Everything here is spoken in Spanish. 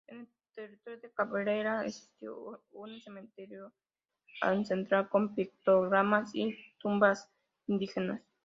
En el territorio de Cabrera existió un cementerio ancestral con pictogramas y tumbas indígenas.